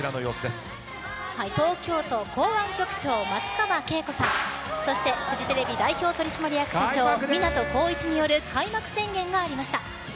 東京都港湾局長、松川桂子さんそしてフジテレビ代表取締役社長港浩一による開幕宣言がありました。